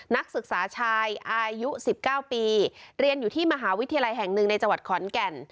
นักศึกษาชายอายุ๑๙ปีเรียนอยู่ที่มหาวิทยาลัยแห่งหนึ่งในจังหวัดขอนแก่น